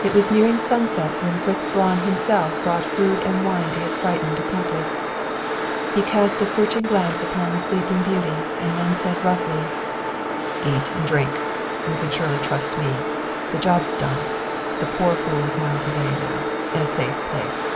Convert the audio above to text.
It was nearing sunset when Fritz Braun himself brought food and wine to his frightened accomplice. He cast a searching glance upon the sleeping beauty and then said roughly: "Eat and drink. You can surely trust me. The job's done. The poor fool is miles away now, in a safe place."